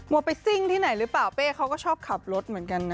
ไปซิ่งที่ไหนหรือเปล่าเป้เขาก็ชอบขับรถเหมือนกันนะ